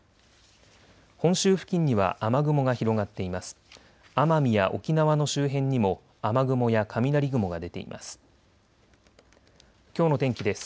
本州付近には雨雲が広がっています。